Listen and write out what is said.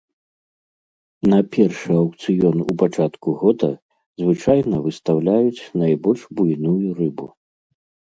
На першы аўкцыён у пачатку года звычайна выстаўляюць найбольш буйную рыбу.